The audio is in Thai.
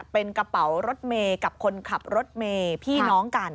เป็นกระเป๋ารถเมย์กับคนขับรถเมย์พี่น้องกัน